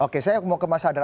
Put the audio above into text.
oke saya mau ke mas hadar